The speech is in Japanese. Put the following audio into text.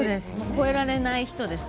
超えられない人です。